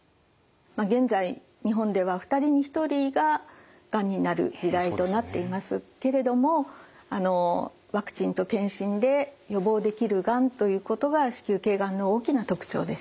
現在日本では２人に１人ががんになる時代となっていますけれどもワクチンと検診で予防できるがんということは子宮頸がんの大きな特徴です。